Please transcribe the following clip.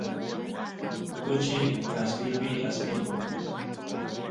kuchi kaspipi aspiykun